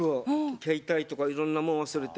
携帯とかいろんなもん忘れて。